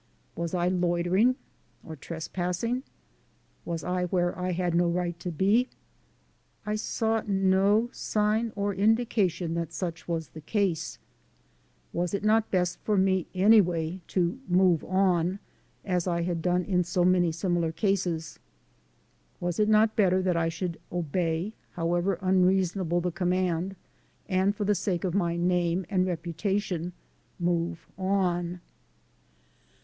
Was I loitering or trespassing? Was I where I had no right to be? I saw no sign or indication that such was the case. Was it not bcot for me, anyway, to "move on" as I had done in so many similar cases? Was it not better that I should obey, however unreason able the command, and for the sake of my name and reputation "move on?"